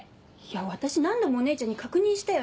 私何度もお姉ちゃんに確認したよね？